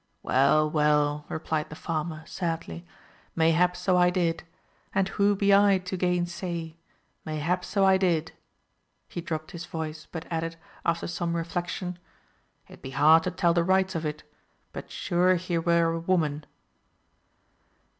"Well, well," replied the farmer, sadly, "mayhap so I did. And who be I to gainsay? Mayhap so I did;" he dropped his voice, but added, after some reflection, "It be hard to tell the rights of it; but sure her were a woman."